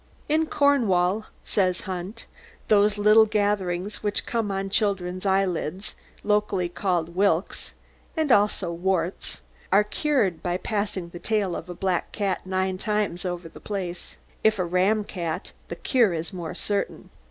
"'In Cornwall,' says Hunt, 'those little gatherings which come on children's eyelids, locally called "whilks," and also "warts," are cured by passing the tail of a black cat nine times over the place. If a ram cat, the cure is more certain.